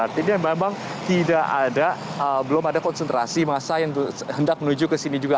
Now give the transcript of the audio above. artinya memang tidak ada belum ada konsentrasi masa yang hendak menuju ke sini juga